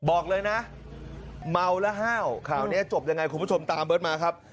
บอกเลยนะเมาแล้วห้าวข่าวนี้จบยังไงคุณผู้ชมตามเบิร์ตมาครับ